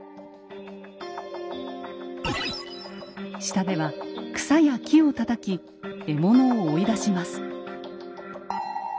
下では草や木をたたき獲物を追い出します。